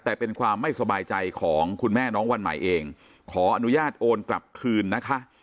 แต่เป็นความไม่สบายใจของคุณแม่น้องวันใหม่เองขออนุญาตโอนกลับคืนนะคะ